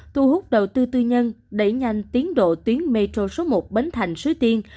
thu hút đầu tư tư nhân đẩy nhanh tiến độ tuyến metro số một bến thành suối tiên